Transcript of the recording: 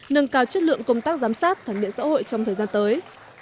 nâng cao chất lượng công tác giám sát phản biện xã hội trong thời gian tới